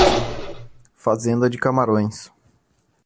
Fazenda de camarões